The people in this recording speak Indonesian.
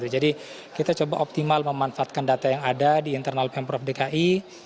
jadi kita coba optimal memanfaatkan data yang ada di internal pemprov dki